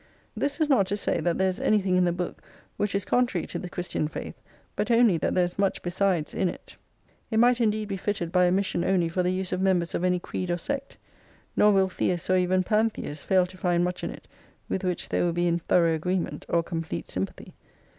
This is not to say that there is anything in the book which is con trary to the Christian faith ; but only that there is much besides in it. It might indeed be fitted by omission only for the use of members of any creed or sect. Nor will Theists or even Pantheists fail to find much in it with which they will be in thorough agreement or complete sympathy.